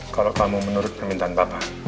kalau kamu menurut permintaan bapak